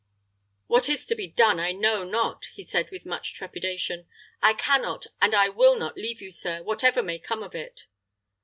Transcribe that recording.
"What is to be done, I know not," he said, with much trepidation; "I can not, and I will not leave you, sir, whatever may come of it."